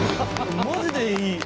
マジでいい！